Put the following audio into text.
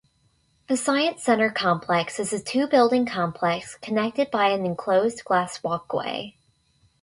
The Science Center complex is a two-building complex connected by an enclosed glass walkway.